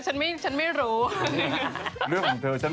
ใช่วันดีของภารกิจนึง